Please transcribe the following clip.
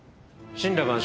森羅万象